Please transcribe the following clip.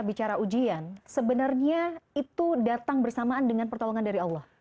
bicara ujian sebenarnya itu datang bersamaan dengan pertolongan dari allah